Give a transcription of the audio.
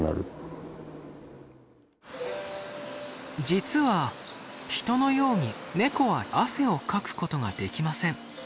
実は人のようにネコは汗をかくことができません。